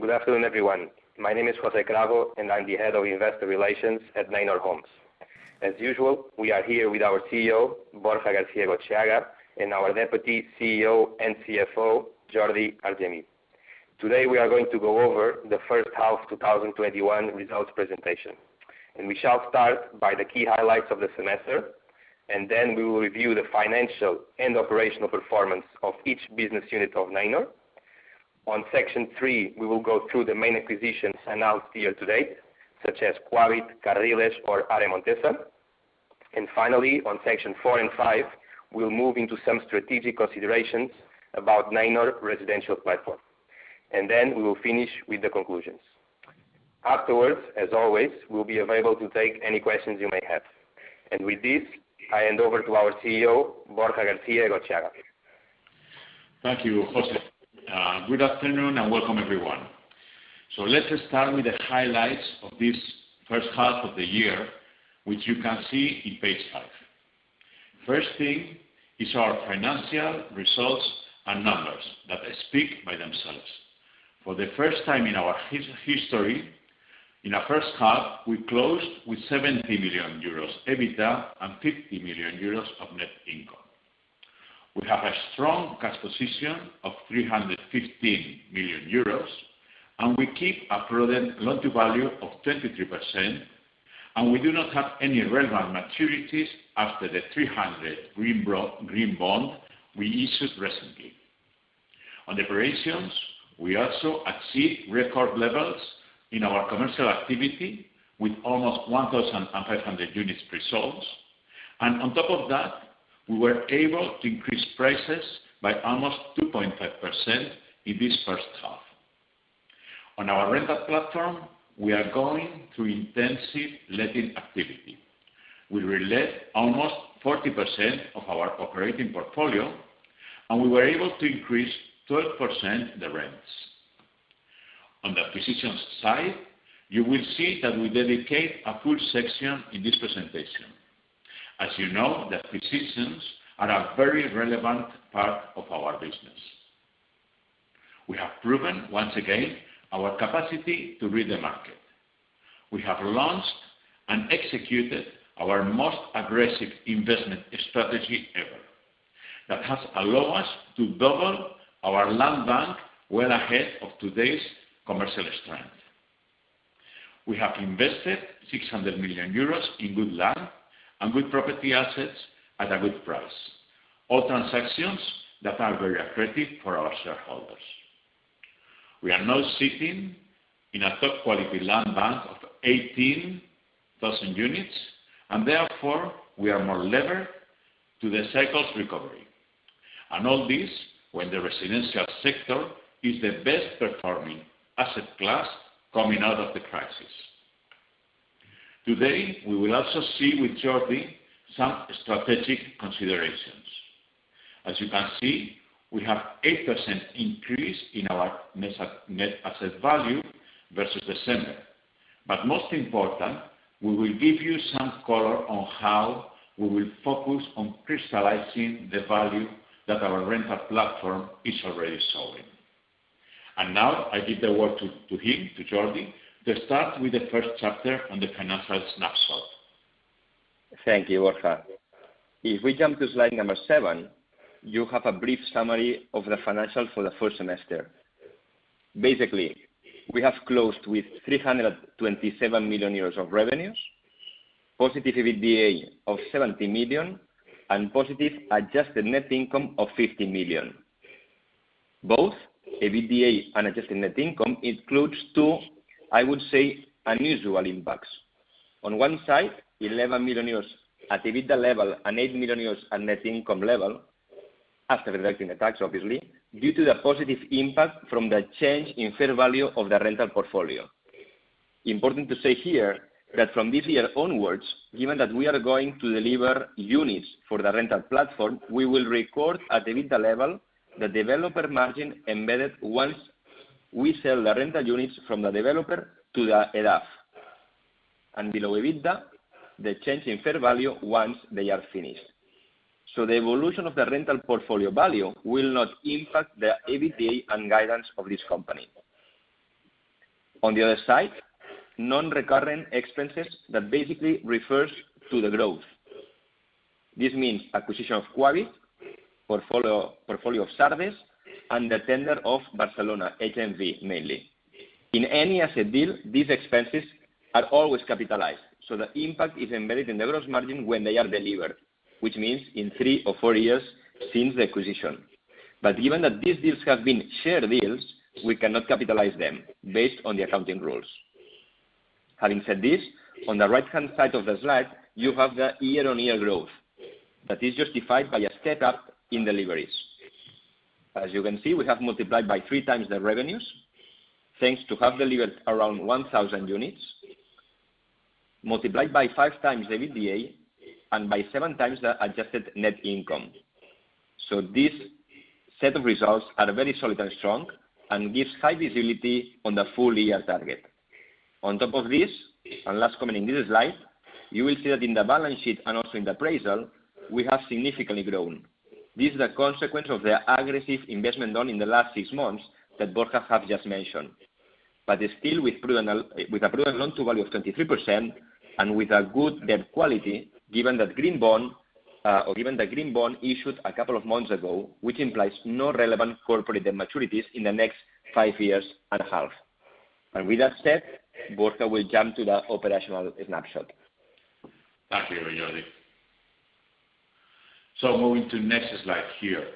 Good afternoon, everyone. My name is José Cravo, and I'm the Head of Investor Relations at Neinor Homes. As usual, we are here with our CEO, Borja García-Egotxeaga, and our Deputy CEO and CFO, Jordi Argemí. Today, we are going to go over the first half of 2021 results presentation. We shall start by the key highlights of the semester, and then we will review the financial and operational performance of each business unit of Neinor. On Section 3, we will go through the main acquisitions announced year to date, such as Quabit, Carriles, or ARE Montesa. Finally, on Section 4 and 5, we'll move into some strategic considerations about Neinor residential platform. Then we will finish with the conclusions. Afterwards, as always, we'll be available to take any questions you may have. With this, I hand over to our CEO, Borja García-Egotxeaga. Thank you, José. Good afternoon, and welcome everyone. Let us start with the highlights of this first half of the year, which you can see in Page five. First thing is our financial results and numbers that speak by themselves. For the first time in our history, in our first half, we closed with 70 million euros EBITDA and 50 million euros of net income. We have a strong cash position of 315 million euros, and we keep a prudent loan-to-value of 23%, and we do not have any relevant maturities after the 300 million Green Bond we issued recently. On operations, we also exceed record levels in our commercial activity with almost 1,500 units pre-sold. On top of that, we were able to increase prices by almost 2.5% in this first half. On our rental platform, we are going through intensive letting activity. We relet almost 40% of our operating portfolio, and we were able to increase 12% the rents. On the acquisitions side, you will see that we dedicate a full section in this presentation. As you know, the acquisitions are a very relevant part of our business. We have proven, once again, our capacity to read the market. We have launched and executed our most aggressive investment strategy ever that has allowed us to double our land bank well ahead of today's commercial strength. We have invested 600 million euros in good land and good property assets at a good price, all transactions that are very accretive for our shareholders. We are now sitting in a top-quality land bank of 18,000 units and therefore, we are more levered to the cycle's recovery. All this when the residential sector is the best-performing asset class coming out of the crisis. Today, we will also see with Jordi some strategic considerations. As you can see, we have 8% increase in our net asset value versus December. most important, we will give you some color on how we will focus on crystallizing the value that our rental platform is already showing. now, I give the word to him, to Jordi, to start with the first chapter on the financial snapshot. Thank you, Borja. If we jump to Slide number seven, you have a brief summary of the financial for the first semester. Basically, we have closed with 327 million euros of revenues, positive EBITDA of 70 million and positive adjusted net income of 50 million. Both EBITDA and adjusted net income includes two, I would say, unusual impacts. On one side, 11 million euros at EBITDA level and 8 million euros at net income level, after deducting the tax obviously, due to the positive impact from the change in fair value of the rental portfolio. Important to say here that from this year onwards, given that we are going to deliver units for the rental platform, we will record at EBITDA level the developer margin embedded once we sell the rental units from the developer to the RAF. Below EBITDA, the change in fair value once they are finished. The evolution of the rental portfolio value will not impact the EBITDA and guidance of this company. On the other side, non-recurrent expenses that basically refers to the growth. This means acquisition of Quabit, portfolio of service, and the tender of Barcelona HMB, mainly. In any asset deal, these expenses are always capitalized, so the impact is embedded in the gross margin when they are delivered, which means in three or four years since the acquisition. Given that these deals have been share deals, we cannot capitalize them based on the accounting rules. Having said this, on the right-hand side of the slide, you have the year-over-year growth that is justified by a step-up in deliveries. As you can see, we have multiplied by 3x the revenues, thanks to have delivered around 1,000 units, multiplied by 5x the EBITDA and by 7x the adjusted net income. This set of results are very solid and strong and gives high visibility on the full year target. On top of this, and last comment in this slide, you will see that in the balance sheet and also in the appraisal, we have significantly grown. This is a consequence of the aggressive investment done in the last six months that Borja has just mentioned. Still with a prudent loan-to-value of 23% and with a good debt quality, given the green bond issued a couple of months ago, which implies no relevant corporate debt maturities in the next five years and a half. With that said, Borja will jump to the operational snapshot. Thank you, Jordi. Moving to next slide here.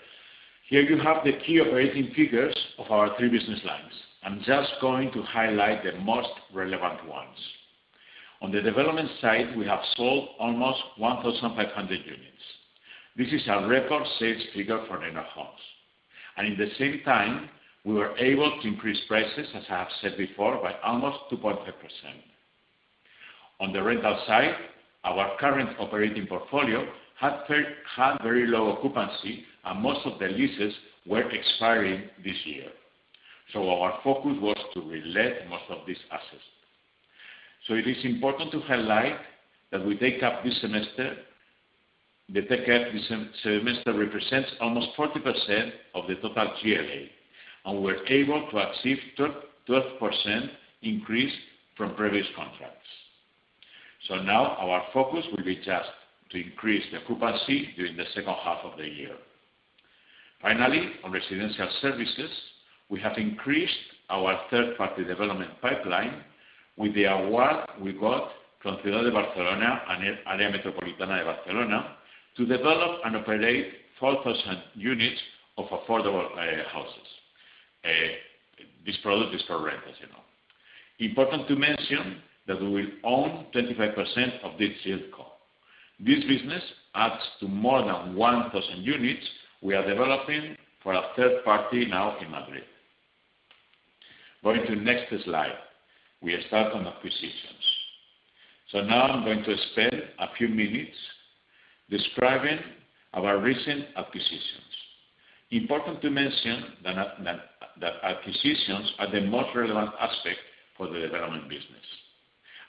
Here you have the key operating figures of our three business lines. I'm just going to highlight the most relevant ones. On the development side, we have sold almost 1,500 units. This is a record sales figure for Neinor Homes. At the same time, we were able to increase prices, as I have said before, by almost 2.5%. On the rental side, our current operating portfolio had very low occupancy and most of the leases were expiring this year. Our focus was to relet most of these assets. It is important to highlight that the take-up this semester represents almost 40% of the total GLA, and we were able to achieve a 12% increase from previous contracts. Now our focus will be just to increase the occupancy during the second half of the year. Finally, on residential services, we have increased our third-party development pipeline with the award we got from Ciudad de Barcelona and Àrea Metropolitana de Barcelona to develop and operate 4,000 units of affordable houses. This product is for rent, as you know. Important to mention that we will own 25% of this yieldco. This business adds to more than 1,000 units we are developing for a third party now in Madrid. Going to next slide. We start on acquisitions. Now I'm going to spend a few minutes describing our recent acquisitions. Important to mention that acquisitions are the most relevant aspect for the development business.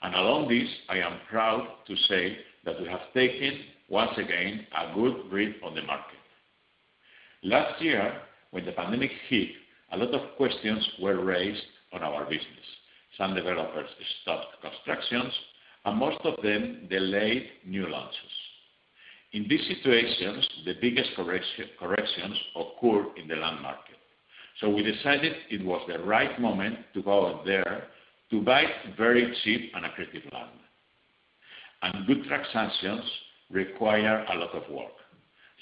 Along this, I am proud to say that we have taken, once again, a good read on the market. Last year, when the pandemic hit, a lot of questions were raised on our business. Some developers stopped constructions, and most of them delayed new launches. In these situations, the biggest corrections occur in the land market. We decided it was the right moment to go there to buy very cheap and accretive land. Good transactions require a lot of work.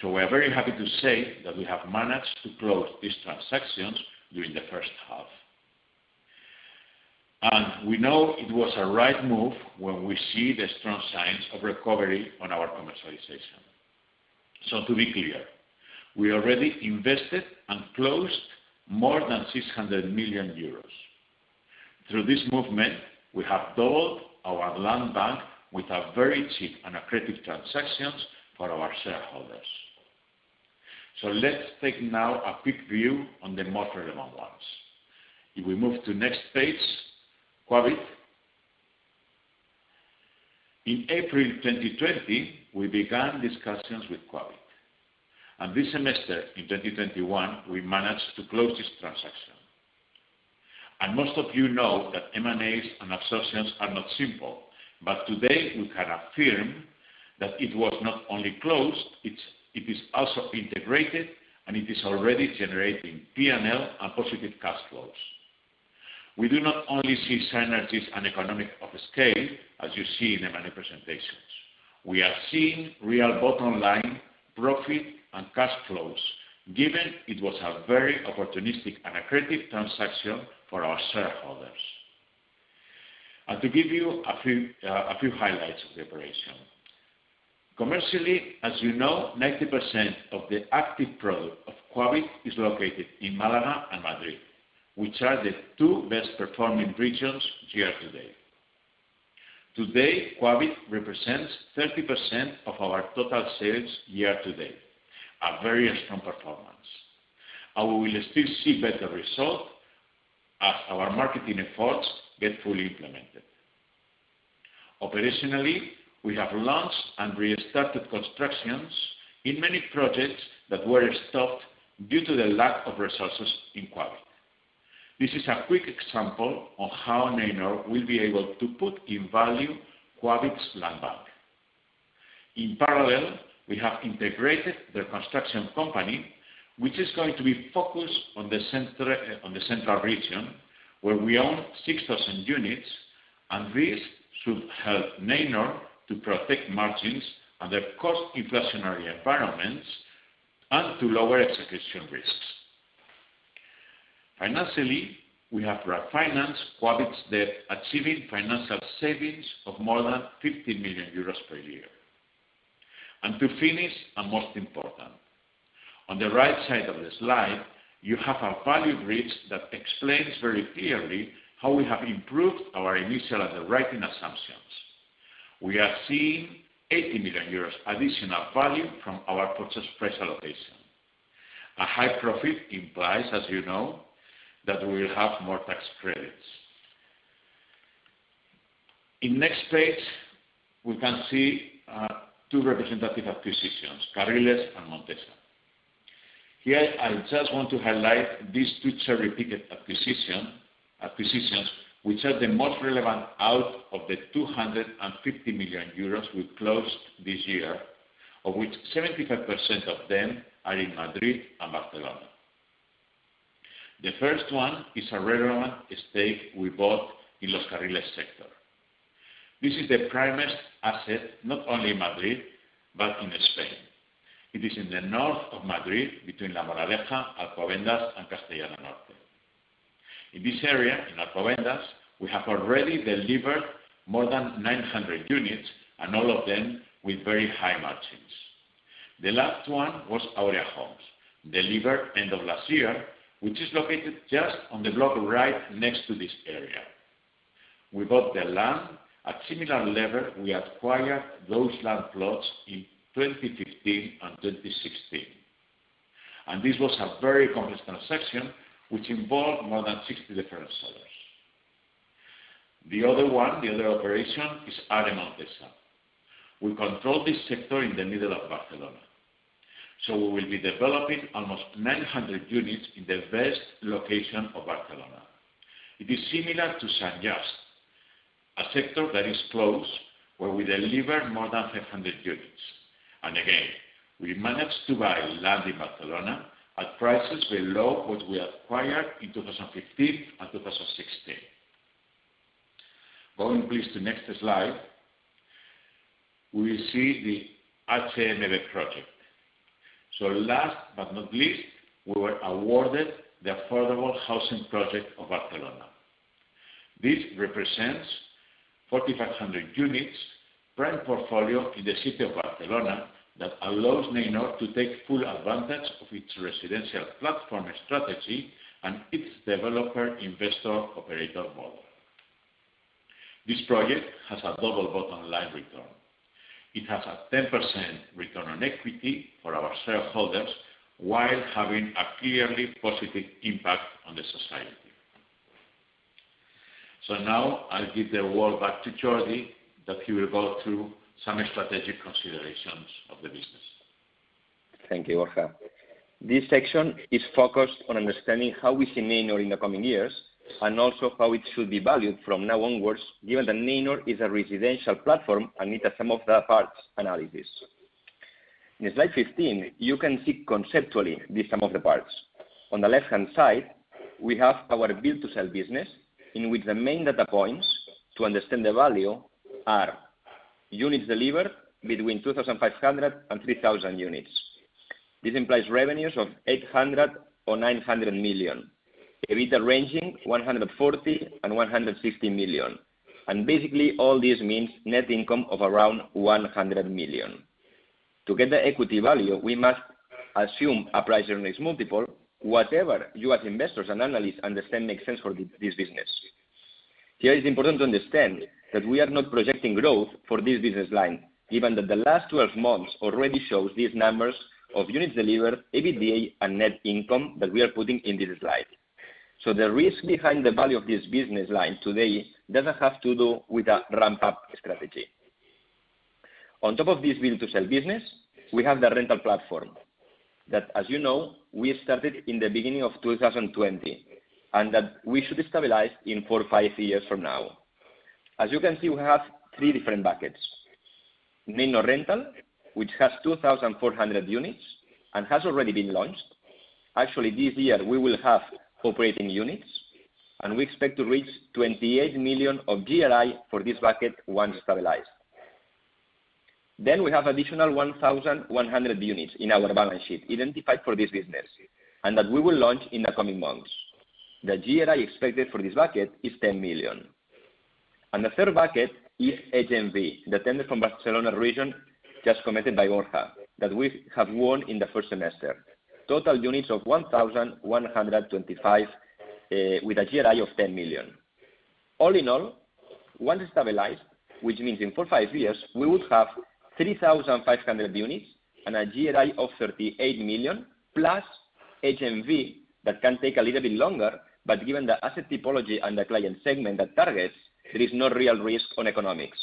We are very happy to say that we have managed to close these transactions during the first half. We know it was a right move when we see the strong signs of recovery on our commercialization. To be clear, we already invested and closed more than 600 million euros. Through this movement, we have doubled our land bank with a very cheap and accretive transactions for our shareholders. Let's take now a quick view on the more relevant ones. If we move to next page, Quabit. In April 2020, we began discussions with Quabit. This semester in 2021, we managed to close this transaction. Most of you know that M&As and associations are not simple, but today we can affirm that it was not only closed, it is also integrated and it is already generating P&L and positive cash flows. We do not only see synergies and economies of scale, as you see in the many presentations. We are seeing real bottom line profit and cash flows, given it was a very opportunistic and accretive transaction for our shareholders. To give you a few highlights of the operation. Commercially, as you know, 90% of the active product of Quabit is located in Málaga and Madrid, which are the two best performing regions year-to-date. Today, Quabit represents 30% of our total sales year-to-date. A very strong performance. We will still see better results as our marketing efforts get fully implemented. Operationally, we have launched and restarted constructions in many projects that were stopped due to the lack of resources in Quabit. This is a quick example of how Neinor will be able to put in value Quabit's land bank. In parallel, we have integrated their construction company, which is going to be focused on the central region, where we own 6,000 units, and this should help Neinor to protect margins under cost inflationary environments and to lower execution risks. Financially, we have refinanced Quabit's debt, achieving financial savings of more than 50 million euros per year. To finish, and most important, on the right side of the slide, you have a value bridge that explains very clearly how we have improved our initial underwriting assumptions. We are seeing 80 million euros additional value from our Purchase Price Allocation. A high profit implies, as you know, that we will have more tax credits. In next page, we can see two representative acquisitions, Carriles and Montesa. Here, I just want to highlight these two cherry-picked acquisitions, which are the most relevant out of the 250 million euros we closed this year, of which 75% of them are in Madrid and Barcelona. The first one is a relevant estate we bought in Los Carriles sector. This is the primest asset, not only in Madrid but in Spain. It is in the north of Madrid, between La Moraleja, Alcobendas, and Castellana Norte. In this area, in Alcobendas, we have already delivered more than 900 units, and all of them with very high margins. The last one was Aura Homes, delivered end of last year, which is located just on the block right next to this area. We bought the land at similar level we acquired those land plots in 2015 and 2016. this was a very complex transaction, which involved more than 60 different sellers. The other one, the other operation, is ARE Montesa. We control this sector in the middle of Barcelona, so we will be developing almost 900 units in the best location of Barcelona. It is similar to Sant Just, a sector that is close, where we delivered more than 500 units. again, we managed to buy land in Barcelona at prices below what we acquired in 2015 and 2016. Going please to next slide. We see the HMB project. last but not least, we were awarded the affordable housing project of Barcelona. This represents 4,500 units, prime portfolio in the city of Barcelona that allows Neinor to take full advantage of its residential platform strategy and its developer-investor operator model. This project has a double bottom line return. It has a 10% return on equity for our shareholders while having a clearly positive impact on the society. Now I'll give the word back to Jordi, that he will go through some strategic considerations of the business. Thank you, Borja. This section is focused on understanding how we see Neinor in the coming years and also how it should be valued from now onwards, given that Neinor is a residential platform and needs a sum-of-the-parts analysis. In Slide 15, you can see conceptually this sum of the parts. On the left-hand side, we have our Build-to-Sell business, in which the main data points to understand the value are units delivered between 2,500 and 3,000 units. This implies revenues of 800 million or 900 million. EBITDA ranging 140 million and 160 million. Basically, all this means net income of around 100 million. To get the equity value, we must assume a price-to-earnings multiple, whatever you as investors and analysts understand makes sense for this business. Here, it's important to understand that we are not projecting growth for this business line, given that the last 12 months already shows these numbers of units delivered, EBITDA, and net income that we are putting in this slide. The risk behind the value of this business line today doesn't have to do with a ramp-up strategy. On top of this build-to-sell business, we have the rental platform that, as you know, we started in the beginning of 2020, and that we should stabilize in four or five years from now. As you can see, we have three different buckets. Neinor Rental, which has 2,400 units and has already been launched. Actually, this year, we will have operating units, and we expect to reach 28 million of GRI for this bucket once stabilized. We have additional 1,100 units in our balance sheet identified for this business, and that we will launch in the coming months. The GRI expected for this bucket is 10 million. The third bucket is HMB, the tender from Barcelona region just commented by Borja, that we have won in the first semester. Total units of 1,125, with a GRI of 10 million. All in all, once stabilized, which means in four, five years, we would have 3,500 units and a GRI of 38 million, plus HMB, that can take a little bit longer, but given the asset typology and the client segment that targets, there is no real risk on economics.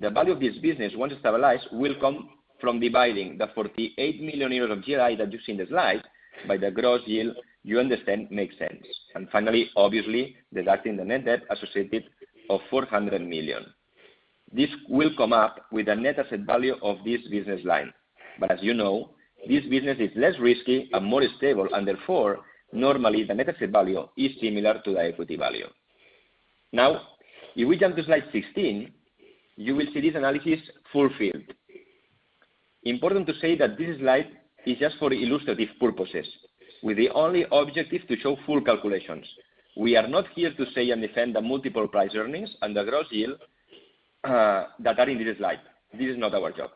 The value of this business, once stabilized, will come from dividing the 48 million euros of GRI that you see in the slide by the gross yield you understand makes sense. finally, obviously, deducting the net debt associated of 400 million. This will come up with a net asset value of this business line. as you know, this business is less risky and more stable, and therefore, normally the net asset value is similar to the equity value. Now, if we jump to Slide 16, you will see this analysis fulfilled. Important to say that this slide is just for illustrative purposes, with the only objective to show full calculations. We are not here to say and defend the multiple price earnings and the gross yield that are in this slide. This is not our job.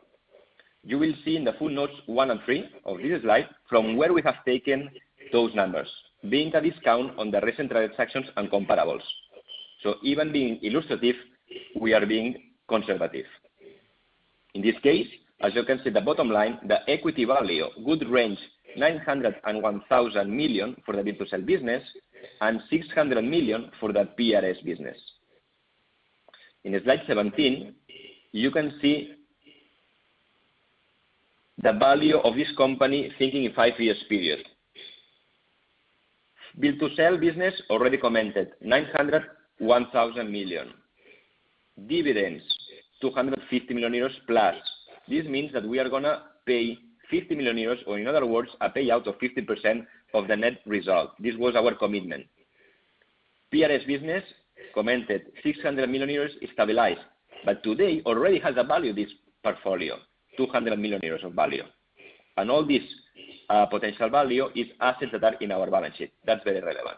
You will see in the full notes one and three of this slide from where we have taken those numbers, being a discount on the recent transactions and comparables. Even being illustrative, we are being conservative. In this case, as you can see the bottom line, the equity value would range 900 million-1,000 million for the build-to-sell business and 600 million for the PRS business. In slide 17, you can see the value of this company thinking in five years period. Build to sell business already commented, 900 million-1,000 million. Dividends, 250+ million euros. This means that we are going to pay 50 million euros, or in other words, a payout of 50% of the net result. This was our commitment. PRS business commented 600 million euros stabilized. Today already has a value, this portfolio, 200 million euros of value. All this potential value is assets that are in our balance sheet. That's very relevant.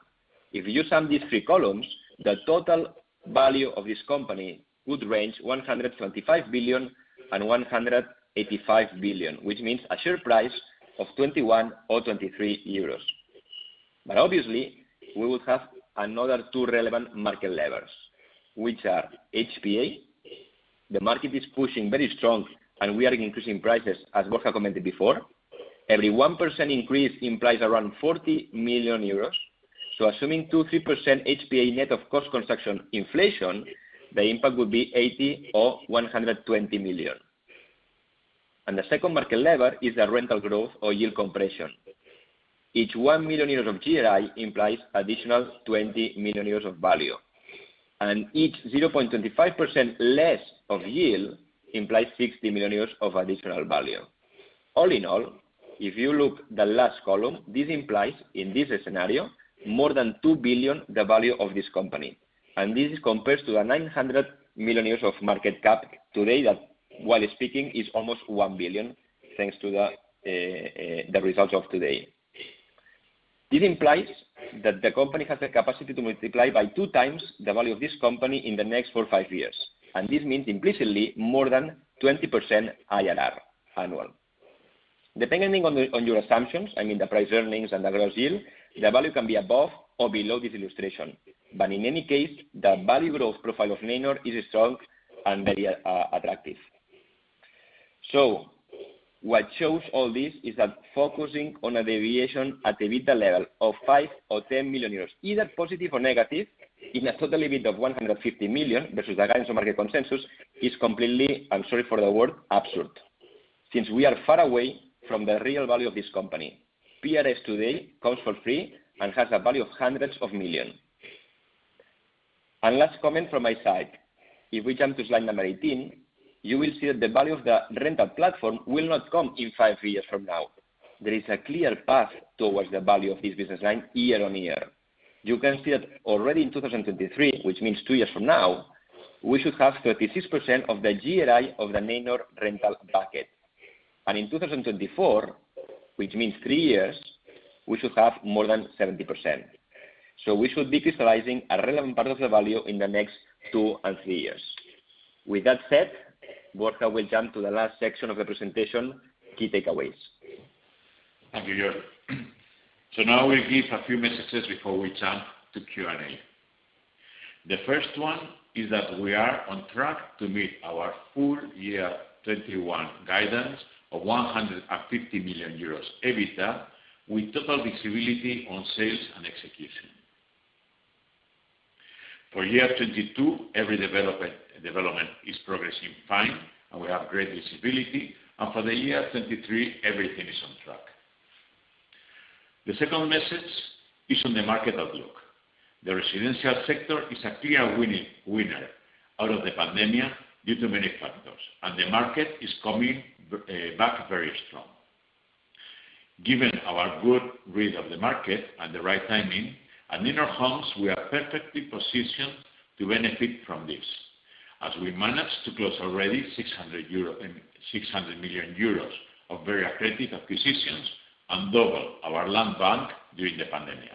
If you sum these three columns, the total value of this company would range 125 billion-185 billion, which means a share price of 21 or 23 euros. Obviously, we would have another two relevant market levers, which are HPA. The market is pushing very strong, and we are increasing prices, as Borja commented before. Every 1% increase implies around 40 million euros. Assuming 2%-3% HPA net of cost construction inflation, the impact would be 80 million or 120 million. The second market lever is the rental growth or yield compression. Each 1 million euros of GRI implies additional 20 million euros of value, and each 0.25% less of yield implies 60 million euros of additional value. All in all, if you look the last column, this implies, in this scenario, more than 2 billion the value of this company. This compares to the 900 million of market cap today that, while speaking, is almost 1 billion, thanks to the results of today. This implies that the company has the capacity to multiply by 2x the value of this company in the next four, five years. This means implicitly more than 20% IRR annual. Depending on your assumptions, I mean the price earnings and the gross yield, the value can be above or below this illustration. In any case, the value growth profile of Neinor is strong and very attractive. What shows all this is that focusing on a deviation at the EBITDA level of 5 million or 10 million euros, either positive or negative, in a total EBITDA of 150 million versus the guidance of market consensus is completely, I'm sorry for the word, absurd. Since we are far away from the real value of this company. PRS today comes for free and has a value of hundreds of million. Last comment from my side. If we jump to Slide number 18, you will see that the value of the rental platform will not come in five years from now. There is a clear path towards the value of this business line year on year. You can see that already in 2023, which means two years from now, we should have 36% of the GRI of the Neinor rental bucket. In 2024, which means three years, we should have more than 70%. We should be crystallizing a relevant part of the value in the next two and three years. With that said, Borja will jump to the last section of the presentation, key takeaways. Thank you, Jordi. Now we'll give a few messages before we jump to Q&A. The first one is that we are on track to meet our full year 2021 guidance of 150 million euros EBITDA, with total visibility on sales and execution. For year 2022, every development is progressing fine, and we have great visibility. For the year 2023, everything is on track. The second message is on the market outlook. The residential sector is a clear winner out of the pandemic due to many factors, and the market is coming back very strong. Given our good read of the market and the right timing, at Neinor Homes, we are perfectly positioned to benefit from this, as we managed to close already 600 million euro of very accretive acquisitions and double our land bank during the pandemic.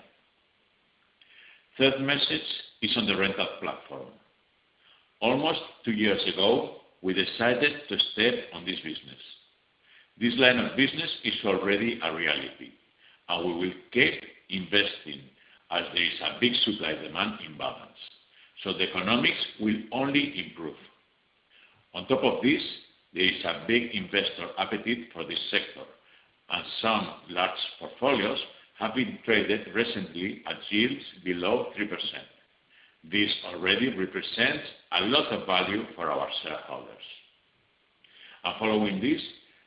Third message is on the rental platform. Almost two years ago, we decided to step on this business. This line of business is already a reality, and we will keep investing as there is a big supply-demand imbalance. The economics will only improve. On top of this, there is a big investor appetite for this sector, and some large portfolios have been traded recently at yields below 3%. This already represents a lot of value for our shareholders. Following this,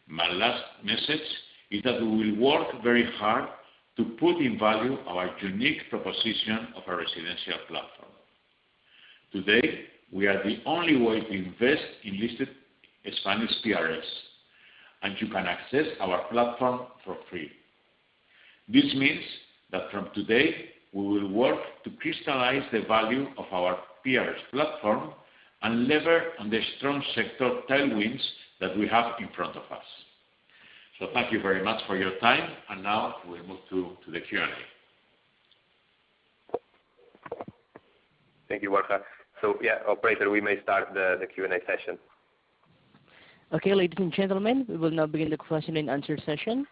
my last message is that we will work very hard to put in value our unique proposition of a residential platform. Today, we are the only way to invest in listed Spanish PRS, and you can access our platform for free. This means that from today, we will work to crystallize the value of our PRS platform and lever on the strong sector tailwinds that we have in front of us. Thank you very much for your time, and now we'll move to the Q&A. Thank you, Borja. Yeah, operator, we may start the Q&A session. Okay, ladies and gentlemen, we will now begin the Q&A session.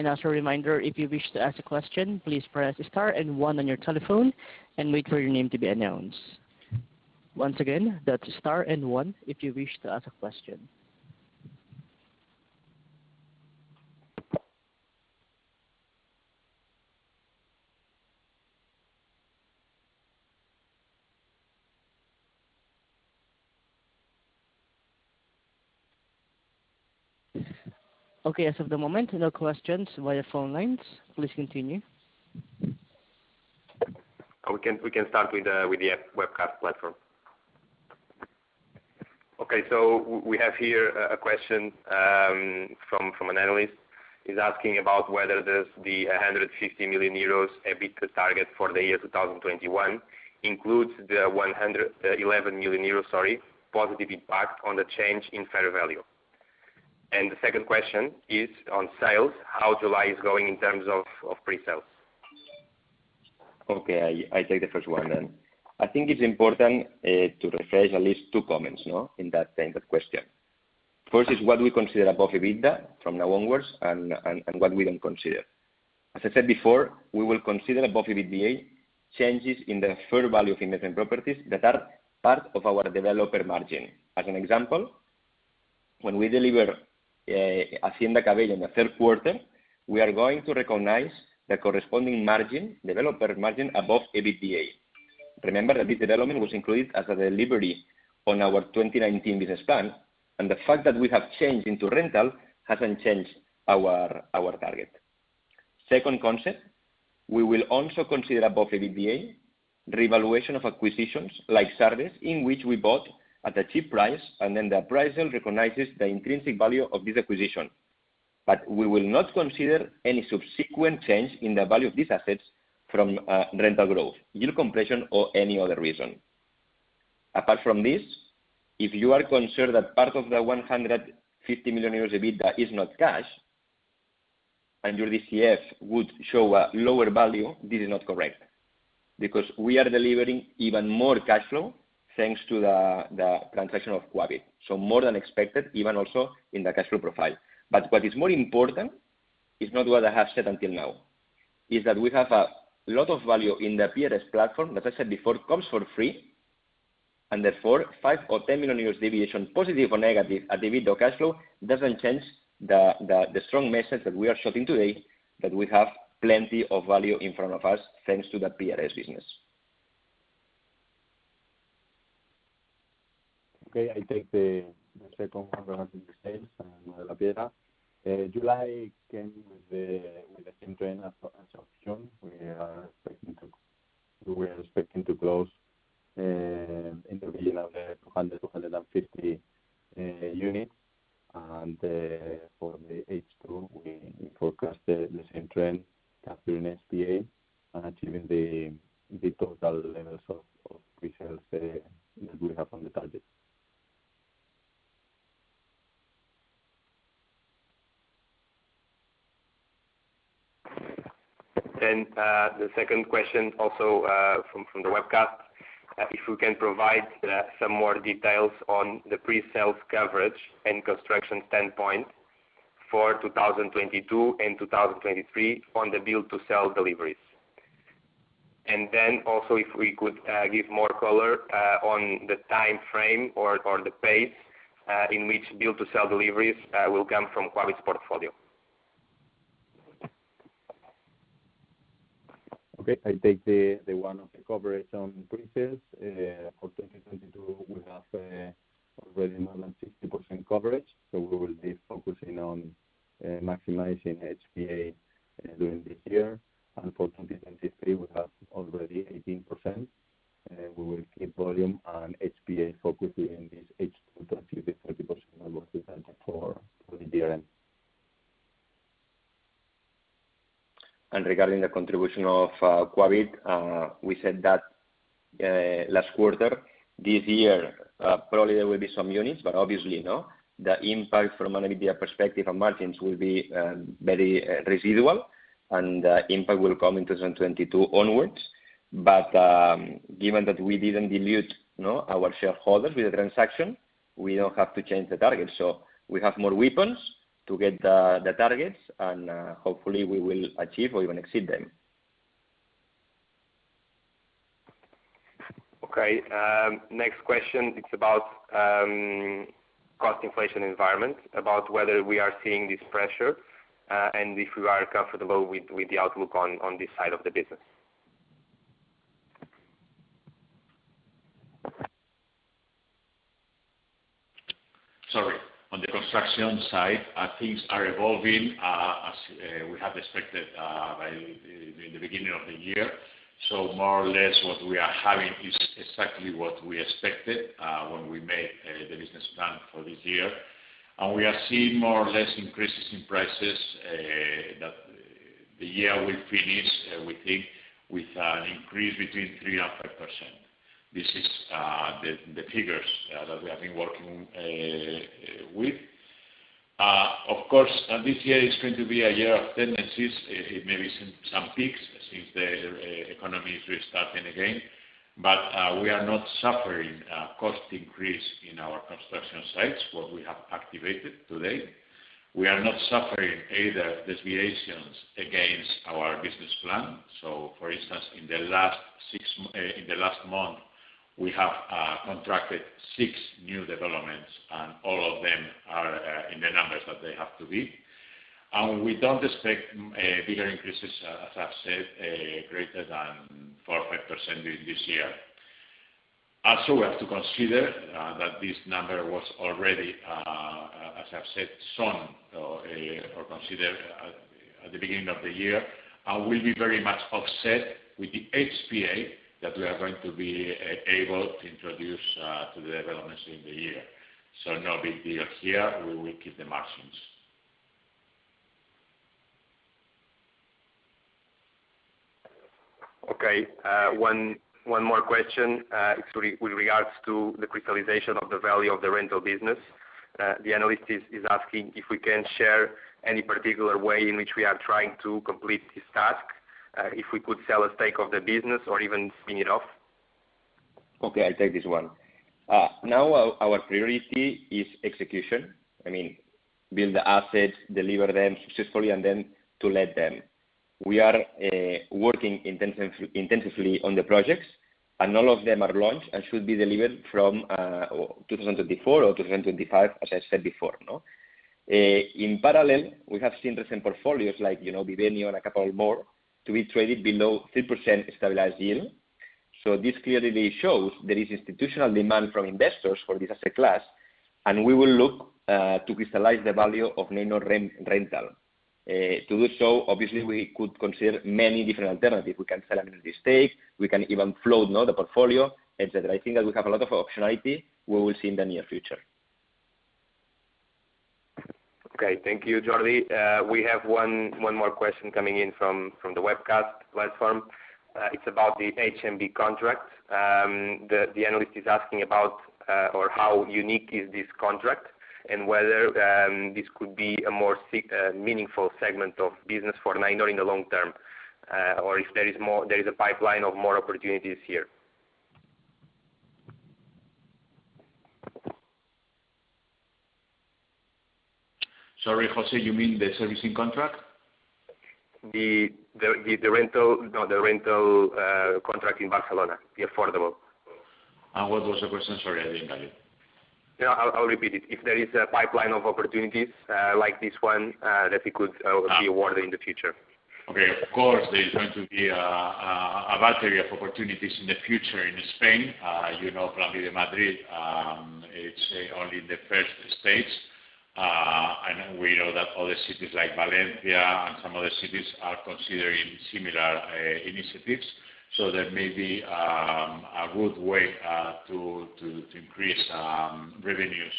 And as a reminder, if you wish to ask a question, please press star and one on your telephone and wait for your name to be announced. Once again, that's star and one if you wish to ask a question. Okay. As of the moment, no questions via phone lines. Please continue. We can start with the webcast platform. Okay. We have here a question from an analyst. He's asking about whether the 150 million euros EBITDA target for the year 2021 includes the 11 million euros positive impact on the change in fair value. The second question is on sales, how July is going in terms of pre-sales. Okay. I take the first one then. I think it's important to refresh at least two comments in that type of question. First is what we consider above EBITDA from now onwards and what we don't consider. As I said before, we will consider above EBITDA changes in the fair value of investment properties that are part of our developer margin. As an example, when we deliver Hacienda Cabello in the third quarter, we are going to recognize the corresponding developer margin above EBITDA. Remember that this development was included as a delivery on our 2019 business plan, and the fact that we have changed into rental hasn't changed our target. Second concept, we will also consider above EBITDA revaluation of acquisitions like services, in which we bought at a cheap price and then the appraisal recognizes the intrinsic value of this acquisition. We will not consider any subsequent change in the value of these assets from rental growth, yield compression, or any other reason. Apart from this, if you are concerned that part of the 150 million euros EBITDA is not cash, and your DCF would show a lower value, this is not correct. We are delivering even more cash flow thanks to the transaction of Quabit. More than expected, even also in the cash flow profile. What is more important is not what I have said until now, is that we have a lot of value in the PRS platform, that I said before, comes for free. Therefore, 5 million or 10 million euros deviation, positive or negative, at EBITDA cash flow doesn't change the strong message that we are showing today that we have plenty of value in front of us, thanks to the PRS business. Okay, I take the second one regarding the sales, I'm Mario Lapiedra. July came with the same trend as of June. We are expecting to close in the region of 200-250 units. For the H2, we forecast the same trend capturing HPA and achieving the total levels of pre-sales that we have on the target. The second question also from the webcast, if we can provide some more details on the pre-sales coverage and construction standpoint for 2022 and 2023 on the build to sell deliveries. also if we could give more color on the time frame or the pace in which build to sell deliveries will come from Quabit's portfolio. Okay, I take the one of the coverage on pre-sales. For 2022, we have already more than 60% coverage, so we will be focusing on maximizing HPA during this year. For 2023, we have already 18%, and we will keep volume and HPA focusing in this H2 to achieve the 30% number we target for the year end. Regarding the contribution of Quabit, we said that last quarter. This year, probably there will be some units, but obviously, the impact from an EBITDA perspective on margins will be very residual and the impact will come in 2022 onwards. Given that we didn't dilute our shareholders with the transaction, we don't have to change the target. We have more weapons to get the targets, and hopefully we will achieve or even exceed them. Okay. Next question, it's about cost inflation environment, about whether we are seeing this pressure, and if we are comfortable with the outlook on this side of the business. Sorry. On the construction side, things are evolving as we have expected in the beginning of the year. More or less what we are having is exactly what we expected when we made the business plan for this year. We are seeing more or less increases in prices, that the year will finish, we think, with an increase between 3% and 5%. This is the figures that we have been working with. Of course, this year is going to be a year of tendencies. It may see some peaks since the economy is restarting again. We are not suffering a cost increase in our construction sites, what we have activated today. We are not suffering either deviations against our business plan. For instance, in the last month. We have contracted six new developments, and all of them are in the numbers that they have to be. We don't expect bigger increases, as I've said, greater than 4% or 5% during this year. Also, we have to consider that this number was already, as I've said, shown or considered at the beginning of the year, and will be very much offset with the HPA that we are going to be able to introduce to the developments during the year. No big deal here. We will keep the margins. Okay. One more question. It's with regards to the crystallization of the value of the rental business. The analyst is asking if we can share any particular way in which we are trying to complete this task, if we could sell a stake of the business or even spin it off. Okay, I take this one. Now our priority is execution. Build the assets, deliver them successfully, and then to let them. We are working intensively on the projects, and all of them are launched and should be delivered from 2024 or 2025, as I said before. In parallel, we have seen recent portfolios like Vivenio and a couple more to be traded below 3% stabilized yield. This clearly shows there is institutional demand from investors for this asset class, and we will look to crystallize the value of Neinor Rental. To do so, obviously, we could consider many different alternatives. We can sell a minority stake, we can even float the portfolio, et cetera. I think that we have a lot of optionality. We will see in the near future. Okay. Thank you, Jordi. We have one more question coming in from the webcast platform. It's about the HMB contract. The analyst is asking about or how unique is this contract, and whether this could be a more meaningful segment of business for Neinor in the long term, or if there is a pipeline of more opportunities here. Sorry, José, you mean the servicing contract? No, the rental contract in Barcelona, the affordable. What was the question? Sorry, I didn't get it. Yeah, I'll repeat it. If there is a pipeline of opportunities like this one that it could be awarded in the future. Okay. Of course, there's going to be a battery of opportunities in the future in Spain. As you know, Plan VIVE Madrid, it's only in the first stage. We know that other cities like Valencia and some other cities are considering similar initiatives. That may be a good way to increase revenues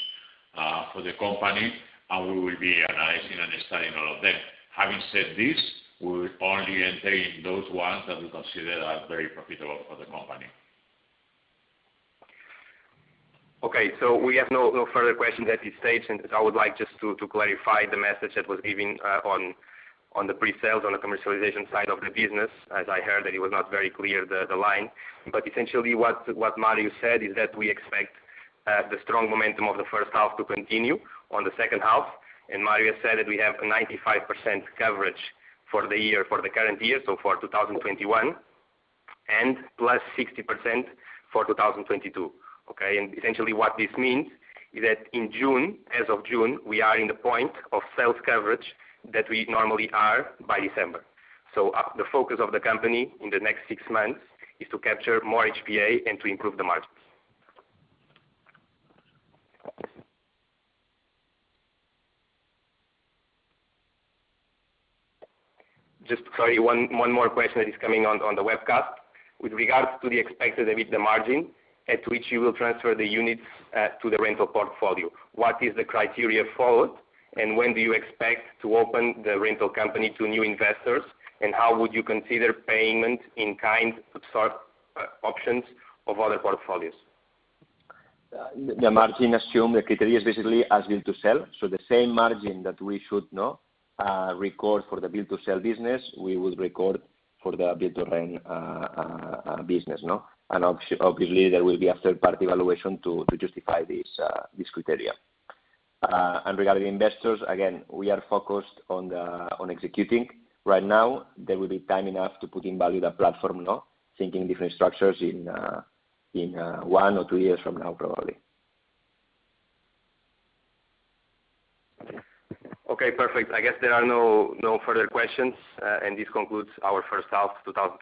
for the company, and we will be analyzing and studying all of them. Having said this, we will only enter in those ones that we consider are very profitable for the company. Okay. We have no further questions at this stage. I would like just to clarify the message that was given on the pre-sales, on the commercialization side of the business, as I heard that it was not very clear, the line. Essentially what Mario said is that we expect the strong momentum of the first half to continue on the second half. Mario said that we have 95% coverage for the current year, so for 2021, and +60% for 2022. Okay? Essentially what this means is that as of June, we are in the point of sales coverage that we normally are by December. The focus of the company in the next six months is to capture more HPA and to improve the margins. Just sorry, one more question that is coming on the webcast. With regards to the expected EBITDA margin at which you will transfer the units to the rental portfolio, what is the criteria followed, and when do you expect to open the rental company to new investors, and how would you consider payment in kind of sort options of other portfolios? The margin assume the criteria is basically as build to sell. The same margin that we should record for the build to sell business, we would record for the build to rent business. Obviously, there will be a third-party valuation to justify this criteria. Regarding investors, again, we are focused on executing right now. There will be time enough to put in value the platform. Thinking different structures in one or two years from now, probably. Okay, perfect. I guess there are no further questions, and this concludes our first half 2021.